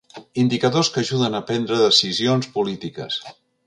Indicadors que “ajuden a prendre decisions polítiques”.